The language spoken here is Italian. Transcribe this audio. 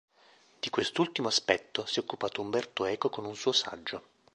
Di quest'ultimo aspetto si è occupato Umberto Eco con un suo saggio.